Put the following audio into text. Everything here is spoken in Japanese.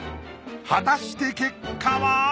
果たして結果は！？